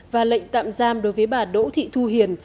và lệnh tạm giam đối với bà đỗ thị thu hiền